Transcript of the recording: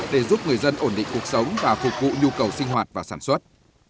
để giúp người dân ổn định cuộc sống và phục vụ nhu cầu sinh hoạt và sản xuất